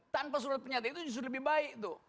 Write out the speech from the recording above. tanpa surat pernyataan itu justru lebih baik tuh